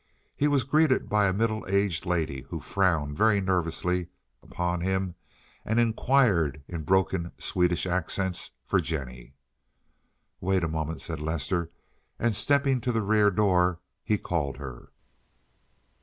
He was greeted by a middle aged lady, who frowned very nervously upon him, and inquired in broken Swedish accents for Jennie. "Wait a moment," said Lester; and stepping to the rear door he called her.